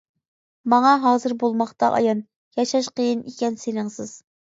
ماڭا ھازىر بولماقتا ئايان، ياشاش قېيىن ئىكەن سېنىڭسىز.